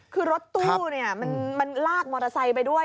คือรถตู้มันลากมอเตอร์ไซค์ไปด้วย